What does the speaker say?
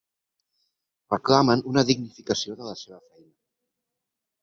Reclamen una dignificació de la seva feina.